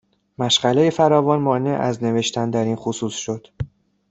مشغله فراوان مانع از نوشتن در این خصوص شد